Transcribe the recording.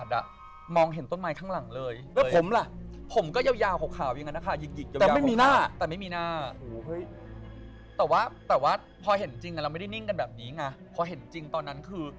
ปรากฏว่าเอาจริงมันเป็นสิ่งที่เราเห็นจริงคือ